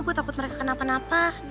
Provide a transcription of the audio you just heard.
gue takut mereka kenapa napa